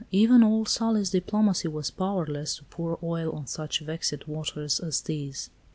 Even all Sully's diplomacy was powerless to pour oil on such vexed waters as these.